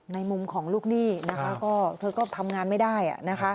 ในมุมของลูกนี่เธอก็ทำงานไม่ได้